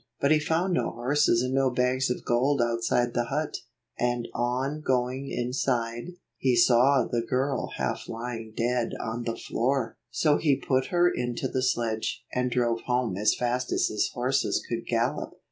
But he found no horses and no bags of gold outside the hut ; and on going inside, he saw the girl lying half dead on the floor. So he put her into the sledge, and drove home as fast as his horses could gallop.